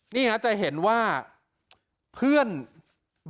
นี่จะเห็นว่าเพื่อนบอกกับน้องไตเติลนี่แหละ